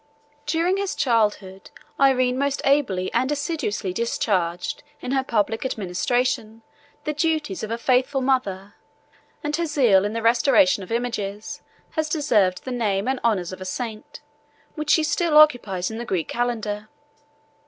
During his childhood, Irene most ably and assiduously discharged, in her public administration, the duties of a faithful mother; and her zeal in the restoration of images has deserved the name and honors of a saint, which she still occupies in the Greek calendar.